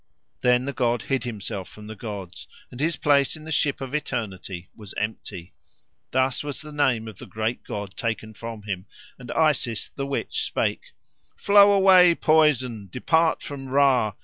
Then the god hid himself from the gods, and his place in the ship of eternity was empty. Thus was the name of the great god taken from him, and Isis, the witch, spake, "Flow away, poison, depart from Ra.